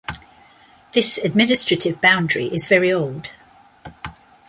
This administrative boundary is very old.